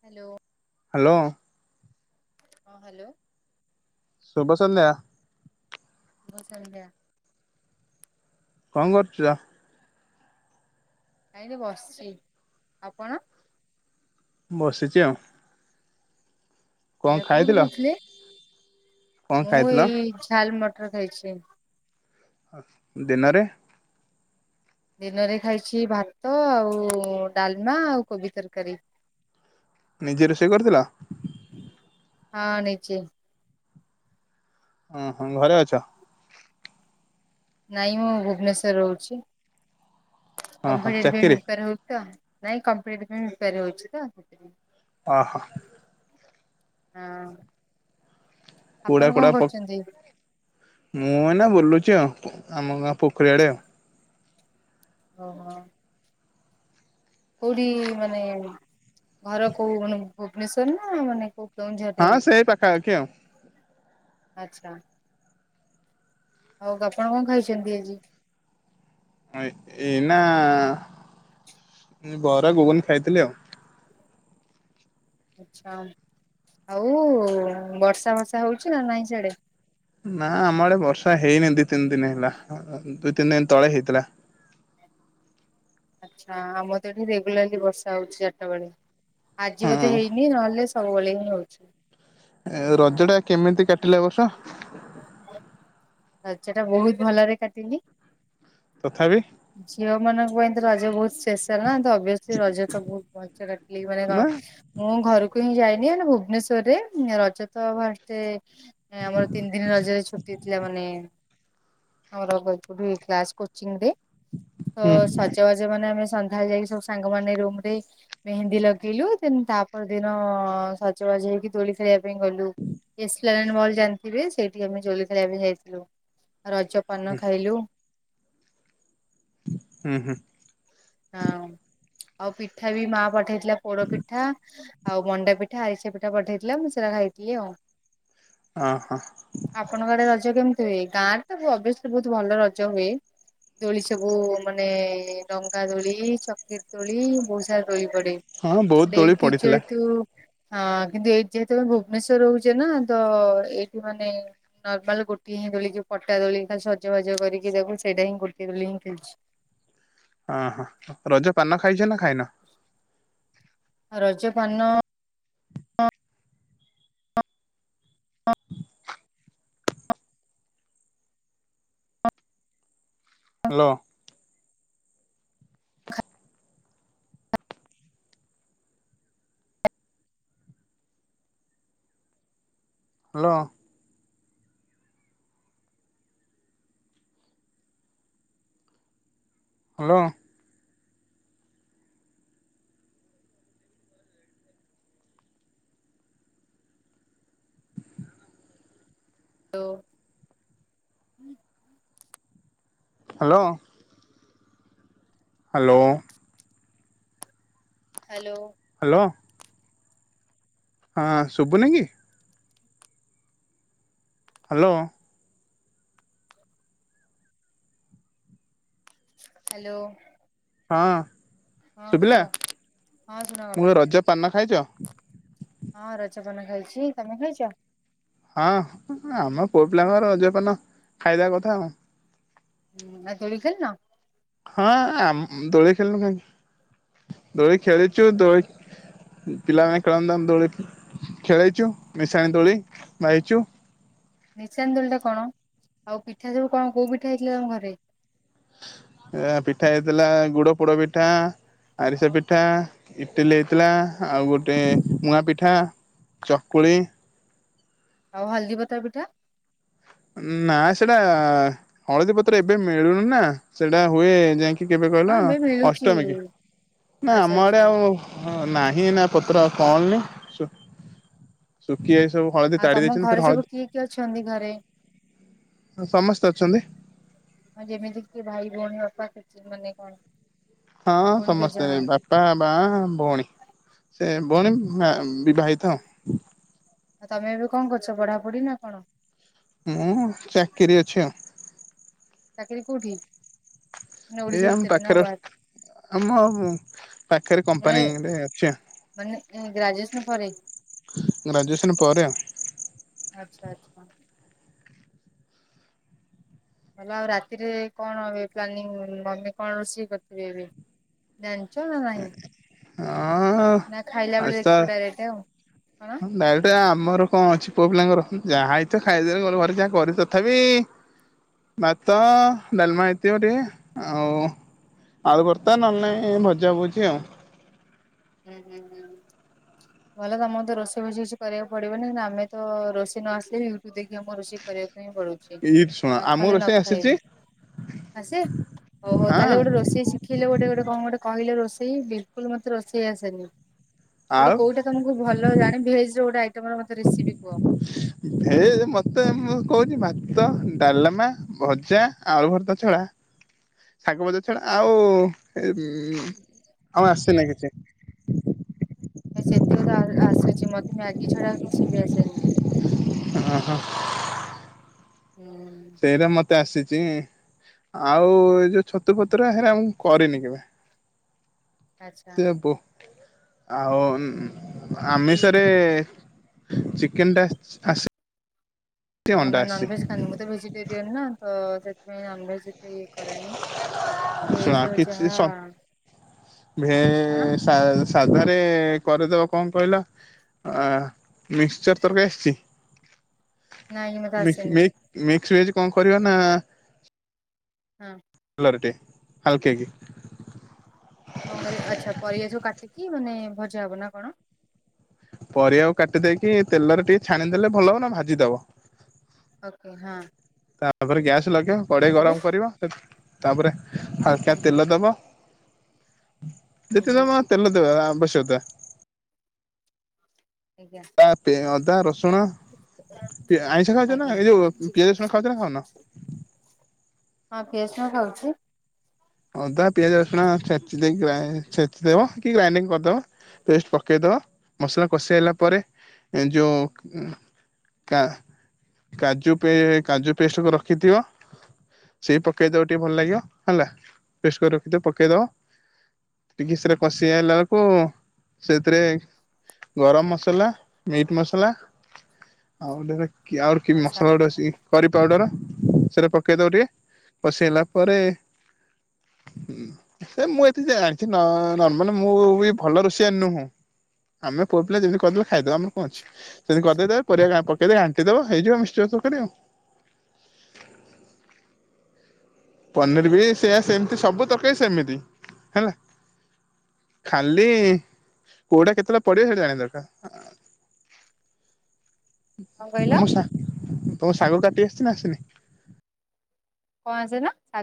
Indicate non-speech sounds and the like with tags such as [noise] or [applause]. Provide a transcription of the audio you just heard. Hello hello ହଁ, hello ଶୁଭସନ୍ଧ୍ୟା। ସୁଭସନ୍ଧ୍ୟା। କଣ କରୁଛ? ନାଇ, ଏଠି ବସିଛି। ଆପଣ? ବସିଛି ଆଉ। କଣ ଆଜ୍ଞା, କୋଉଠୁ ଖାଇଥିଲ କହୁଥିଲେ, କଣ ମୁଁ ଖାଇଥିଲ ଏଇ ଝାଲ ମ ଟର ଖାଇଛି। ଆଛା ଦିନରେ? ଦିନରେ ଖାଇଛି ଭାତ, ଆଉ ଡ଼ାଲମା, ଆଉ କୋବି ତରକାରୀ। ନିଜେ ରୋଷେଇ କରିଥିଲ? ହଁ ନିଜେ। ଓ ହୋ, ଘରେ ଅଛ? ନାଇଁ, ମୁଁ ଭୁବନେଶ୍ଵର ରହୁଛି। ହଁ ହଁ କମ୍ପିଟେଟିଭ ପାଇଁ ଚାକିରି ପ୍ରିପେୟାର ହଉଚି ତ? ନାଇଁ, କମ୍ପିଟେଟିଭ ପାଇଁ ପ୍ରିପେୟାର ହଉଛି ତ, ସେଥିପାଇଁ। ଅହ ହଁ। ଆପଣ କୁଡ଼ା କଣ କୁଡ଼ା ପ କରୁଛନ୍ତି? ମୁଁଏନା ବୁଲୁ ଚି ଆଉ ଆମ ଗାଁ ପୋଖରି ଆଡ଼େ ଓ ହୋ କୋଉଠି ମାନେ ଘର କୋଉ ମାନେ ଭୁବନେଶ୍ଵର ନା ମାନେ କୋଉ କେଉଁଝରରେ? ହଁ ସେଇ ପାଖାଖି ଆଉ ଆଚ୍ଛା। ଆଉ ଆପଣ କଣ ଖାଇଛନ୍ତି ଆଜି? ଏଇ ନା ବରା ଗୁଗୁନି ଖାଇଥିଲି, ଆଉ ଆଛା ଆଉ ବର୍ଷା ବର୍ଷା ହଉଛି ନା ନାଇଁ ସେଆଡ଼େ? ନା ଆମଡ଼େ ବର୍ଷା ହେଇନି ଦି ତିନି ଦୀନ ହେଲା ଦି ତିନି ଦୀନ ତଳେ ହେଇଥିଲା। ଆଚ୍ଛା ଆମର ତ ଏଠି ରେଗୁଲାରଲି ବର୍ଷା ହଉଛି ଚାରିଟା ବେଳେ। ଆଜି ବୋଧେ ହଁ ହେଇନି ନହେଲେ ସବୁ ବେଳେ ହିଁ ହଉଛି। ରଜ ଟା କେମିତି କାଟିଲେ ଏ ବର୍ସ? ରଜ ଟା ବହୁତ ଭଲରେ କାଟିଲି। ତଥାପି ଝିଅ ମାନଙ୍କ ପାଇଁ ତ ର ବହୁତ୍ ସ୍ପେସିଆଲ ନା ଅବଶ୍ୱଲି ରଜ ତ ବହୁତ ଭଲସେ କାଟିଲି ମାନେ ନା କଣ ମୁଁ ଘରକୁ [unintelligible] ଯାଇନି ଆଣ୍ଡ ଭୁବନେଶ୍ୱରରେ ରଜ ତ ଫାଷ୍ଟେ ଆମର ତିନି ଦିନ ରଜରେ ଛୁଟି ଥିଲା ମାନେ ଆମର କାଉଠୀ କ୍ଲାସ୍ କୋଚିଂରେ। ତ ହୁଁ ସାଜ ବାଜେ ମାନେ ଆମେ ସନ୍ଧ୍ୟା ବେଳେ ଯାଇ ସବୁ ସାଙ୍ଗମାନେ ରୁମ୍ ମେହେନ୍ଦି ଲଗେଇଲୁ, ତାପ ଦିନ ସଜବାଜ ହେଇକି ତୋଳି ଖେଳିବା ପାଇଁ ଗଲୁ ଏକ୍ସପ୍ଲାନେଟ ମହଲ ଜାଣିଥିବେ ସେଇଠିକି ଆମେଦୋଳି ଖେଳିବା ପାଇଁ ଯାଇଥିଲୁ। ରଜ ପାନ ଖାଇଲୁ। ହୁଁ ହୁଁ। ହଁ ଆଉ ପିଠା ବି ମା ପଠେଇ ହେଇଥିଲା ପୋଡ ପିଠା ଆଉ ମଣ୍ଡା ପିଠା ଆରିସିିଆ ପିଠା ପଠେଇଥିଲା ମୁଁ ସେଇରା ଖାଇଥିଲି ଆଉ। ଓହୋ ଆପଣଙ୍କ ଆଡେ ରଜ କେମିତି ହୁଏ? ଗାଁରେ ତ ଅବସୁଲି ବହୁତ ଭଲ ରଜ ହୁଏ ଦୋଳି ସବୁ ମାନେ ଡ ଡଙ୍ଗା ଦୋଳି ଚକିରି ଦୋଳି ବହୁତ ସାରା ଦୋଳି ହଁ ବହୁତ ଦୋଳି ଏଇଠି ପଡିଥିଲା ଯେହେତୁ ହଁ କିନ୍ତୁ ଏଇଠି ଯେହେତୁ ଆମେ ଭୁବନେଶ୍ୱର ରହୁଛେ ନା ତ ଏଇଠି ମାନେ ନର୍ମାଲ ଗୋଟିଏ ହିଁ ଦୋଳି ପଟା ଦୋଳି ସଜବାଜ କରିକି ତାକୁ ସେଇଟା ହିଁ ଗୋଟିଏ ଦୋଳି ହିଁ ମୁଁ ଖେଳିଛି। ଓହୋ ରଜ ପାନ ଖାଇଛ ନା ଖାଇନ? ରଜ ପାନ ନ hello. Hello. Hello. Hello hello. Hello. Hello. Hello. ହଁ ଶୁଭୁନି କି? ହ୍ୟାଲୋ। ହ୍ୟାଲୋ। ହଁ। ହଁ ଶୁଭିଲା କୁହ ହଁ ମୁଁ ଶୁଣାଗଲା। କହିଲି ରଜ ପାନ ଖାଇଚ? ହଁ ରଜପାନ ଖାଇଛି ତମେ ଖାଇଛ? ହଁ ଆମ ପୁଅପିଲାଙ୍କର ରଜପାନ ଖାଇବା କଥା ଆଉ। ହଁ ଆଉ ଦୋଳି ଖେଳିନ? ହଁ ଆମ ଦୋଳି ଖେଳିନୁ କାହିଁକି? ଦୋଳି ଖେଳିଚୁ ଦୋଳି ପିଲାମାନେ ଖେଳନ୍ତି ତାଙ୍କ ଦୋଳି ଖେଳେଇଛୁ ମିଶାଣି ଦୋଳି ବାହିଛୁ। ନିଶାନ ଦୋଳିଟା କଣ? ଆଉ ପିଠା ସବୁ କଣ କୋଉ ପିଠା ହେଇଥିଲା ତମ ଘରେ? ପିଠା ହେଇଥିଲା ଗୁଡ ପୋଡ ପିଠା, ଆରିସା ପିଠା, ଇଟିଲି ହେଇଥିଲା ଆଉ ଗୋଟେ ମୁଆଁ ପିଠା, ଚକୁଳି ଆଉ ହଳଦୀ ପତ୍ର ପିଠା? ନା ସେଇଟା ହଳଦୀ ପତ୍ର ଏବେ ମିଳୁନି ନା ସେଟା ହୁଏ ଯାଇଁକି କେବେ ହଁ କହିଲ ଏବେ ମିଳୁଛି ଅଷ୍ଟମୀ କି। ନା ଆଚ୍ଛା ଆମ ଆଚ୍ଛା। ଆଡେ ଆଉ ନାହିଁ ଏଇନା ପତ୍ର [unintelligible] ଆଉ ତାଡି ତମ ଦେଇଛନ୍ତି ଫେରେ ଘରେ ସବୁ ହଳଦୀ କିଏ କିଏ ଅଛନ୍ତି ଘରେ? ସମସ୍ତେ ଅଛନ୍ତି ଯେମିତି କି ଭାଇ ଭଉଣୀ ବାପା କେ କିଏ ମାନେ କଣ? ହଁ ଭଉଣୀ କେତେ ସମସ୍ତେ ଜଣ ବାପା ମା ଭଉଣୀ। ସେ ଭଉଣୀ ମା ବିବାହି ତ। ଆଉ ତମେ ଏବେ କଣ କରୁଛ ପଢାପଢି ନା କଣ? ମୁଁ ଚାକିରି ଅଛି ଆଉ। ଚାକିରି କୋଉଠି? ମାନେ ଏ ଓଡିଶା ଆମ ଭିତରେ ନା ପାଖରେ ବାହାରେ? ଆମ ପାଖରେ ମାନେ କମ୍ପାନୀରେ ଅଛି ମାନେ ଗ୍ରାଜୁଏସନ ପରେ ଆଉ। ଗ୍ରାଜୁଏସନ ପରେ ଆଚ୍ଛା ଆଉ। ଆଚ୍ଛା। ଭଲ ଆଉ ରାତିରେ କଣ ଏବେ ପ୍ଲାନିଂ ମମି କଣ ରୋଷେଇ କରିଥିବେ ଏବେ? ଜାଣି ଚ ନା ନାହିଁ? ଆଉ। ନା ଖାଇଲା ବେଳେ ଦେଖିବ ଡାଇରେକ୍ଟ ଆଉ। କଣ? ହଁ ଡାଇରେକ୍ଟ ଆମର କଣ ଅଛି ପୁଅ ପିଲାଙ୍କର ଯାହା ହେଇଥିବ ଖାଇଦେଲେ ଗଲେ ଘରେ ଯାହା କରି ତଥାପି ଭାତ ଡାଲମା ହେଇଥିବ ଟିକେ ଆଉ ଆଳୁଭର୍ତ୍ତା ନହେଲେ ନାହିଁ ଭଜା ଭୁଜି ଆଉ। ହୁଁ ହୁଁ ହୁଁ ହୁଁ। ଭଲ ତମର ତ ରୋଷେଇ ଫୋଷେଇ କିଛି କରିବାକୁ ପଡିବନି କିନ୍ତୁ ଆମେ ତ ରୋଷେଇ ନ ଆସିଲେ ବି ୟୁଟ୍ୟୁବ ଦେଖି ଆମ ରୋଷେଇ କରିବାକୁ ପଡୁଛି। ଏଇ ଶୁଣ ନ ଆମକୁ ଖଲେ ନ ରୋଷେଇ ଆସିଛି ଖାଇବୁ ଆସେ। ଓହୋ ତାହେଲେ ହଁ ଗୋଟେ ରୋଷେଇ ଶିଖେଇଲେ ଗୋଟେ ଗୋଟେ କଣ ଗୋଟେ କହିଲ ରୋଷେଇ ବିଲକୁଲ ମତେ ରୋଷେଇ ସେୟା ସେନି ଗୋଟେ ଆଉ କୋଉଟା ତମକୁ ଭଲ ଜାଣି ଭେଜ ର ଗୋଟେ ଆଇଟମ ର ମତେ ରେସିପି କୁହ। ତ, ଡାଲମା, ଭଜା, ଆଳୁ ଭର୍ତା ଛଡା ଶାଗ ଭଜା ଛଡା ଆଉ ଆଉ ଆସେନା କିଛି। ସେତିକିବ ତ ଆସୁଛି ମତେ ମ୍ୟାଗି ଛଡା କିଛି ବି ଆସେନି। ଓୁଁ ହ ହୁଁ ହୁଁ ଏଟା ଆସିଛି ଆଉ ଏ ଯୋଉ ଛତୁ ପତ୍ର ହେରେ ଆମକୁ କରିନି କେବେ ଆଚ୍ଛା ସେ ବୋ ଆଉ ଆମେଷରେ ଚିକେନ ଟା ଆସ ଓଃ ନନଭେଜ ଖାନ୍ତୀ ମୁଁ ତ ଭେଜିଟେରିଆନ ନା ତ ସେଥିପାଇଁ ନନଭେଜ ସେ କରରେନି ଶୁଣ ଭଜ କିଛି ଯହା ସ ଭେ କାଣ ସା ସାଧାରେ କରିଦବ କଣ କହିଲା ଅ ମିକ୍ସଚର ତରକାର ଆସିଛି ନାଇଁ ମତେ ମି ମୀ ଆସେନି ମି଼ ମିକ୍ସ ଭେଜ୍ କଣ କରିବା ନା ହଁ। ତେଲର ଟେ ହାଲ କେ ଆକି କଣ କରିବ ଆଛା ପରିବା ସବୁ କାଟିକି ମାନେ ଭଜା ହବ ନା କଣ ପରିବାକୁ କାଟି ଦେଇକି ତେଲରେ ଟିକେ ଛାଣିଦେଲେ ଭଲ ହବ ନହେଲେ ଭାଜିଦବ। ଓକେ ହଁ। ତାପର ଗ୍ୟାସ୍ ଲଗେଇ କଡେଇ ତାପରେ ଗରମ କରିବ ତାପରେ ହାଲକା ହୁଁ ତେଲ ଦବ। [unintelligible] ହୁଁ ହୁଁ ତେଲ ଦବା। କସି ଅଦା। ଆଜ୍ଞା ଅଦା ରସୁଣ ଆଇଁଷ ଖାଉଛ ନା ଆଜ୍ଞା ଏ ଯୋଉ ପିଆଜ ରସୁଣ ଖାଉଛ ନା ଖାଉନ? ପିଆଜ ରସୁଣ ହଁ ଖାଉଛି। ଅଦା ପିଆଜ ରସୁଣ ଛେଚି ଦେଇ ଗ୍ରା ଛେଚିଦେବ କି ଗ୍ରାଇଣ୍ଡିଙ୍ଗ୍ କରିଦେବ ପେଷ୍ଟ୍ ପକେଇଦବ ମସଲା କଷି ହେଲା ପରେ ଏଯୋଉ କାଜୁ ପେ କାଜୁ ପେଷ୍ଟ କୁ ରଖିଥିବ ସେଇ ପକାଇଦବ ଟିକେ ଭଲ ଲାଗିବ ହେଲା। ପେଷ୍ଟ୍ କରି ରଖିଥିବ ପକେଇ ଦବ ଟିକେ ସେ କଷି ହେଇଆଇଲା ବେଳକୁ ସେଥିରେ ଗରମ ମସଲା ମିଟ୍ ମସଲା ଆଉ କି ଆଉରି କି ଆଚ୍ଛା। ମସଲା ଗୋଟେ ଅଛି କରି ପାଉଡର। ସେଟା ପକେଇ ଦବ ଟିକେ କଷି ହେଇଗଲା ପରେ ସେମୁଁ ଏତେ ଜାଣିଛି ନର୍ମାଲ ମୁଁ ବି ଏତେ ଭଲ ରୋଷେଇୟା ନୁହଁ ଆମେ ପୁଅ ପିଲ ଯେମିତି କରିଦେଲେ ଖାଇଦବା ମ ଆମର କଣ ଅଛି ସେମିତି କରିଦେଇଦବ ପରିବା ପକେଇ ଦେଇ ଘାଣ୍ଟିଦବା ହେଇଯିବ ମିକ୍ସର ତ [unintelligible] ପନିର୍ ବି ସେଆ ସେମିତି ସବୁ ତରକାରୀ ସେମିତି ହେଲା ଖାଲି କୋଉଟା କେତେବେଳେ ପଡିବ ସେଇଟା ଜାଣିବା ଦରକାର। କଣ କହିଲ ତମ ସା ତମ କୁ ଶାଗ କାଟି ଆସିଚି ନା ଆସିନି? କଣ ଆସେ ନା ଶାଗ